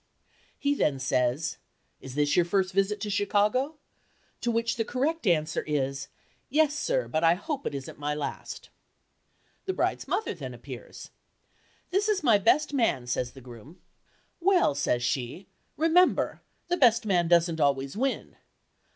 He then says, "Is this your first visit to Chicago?" to which the correct answer is, "Yes, sir, but I hope it isn't my last." The bride's mother then appears. "This is my best man," says the groom. "Well," says she, "remember—the best man doesn't always win."